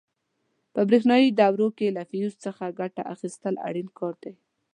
په برېښنایي دورو کې له فیوز څخه ګټه اخیستل اړین کار دی.